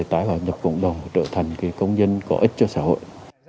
tái hòa nhập cộng đồng trở thành công nhân có ích cho xã hội